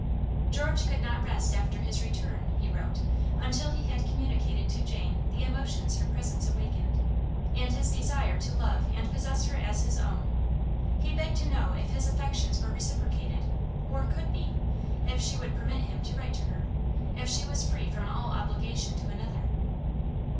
George could not rest after his return, he wrote, until he had communicated to Jane the emotions her presence awakened, and his desire to love and possess her as his own. He begged to know if his affections were reciprocated, or could be; if she would permit him to write to her; if she was free from all obligation to another.